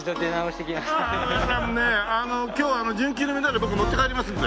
今日純金のメダル僕持って帰りますんで。